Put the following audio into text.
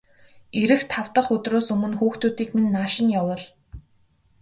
Ирэх тав дахь өдрөөс өмнө хүүхдүүдийг минь нааш нь явуул.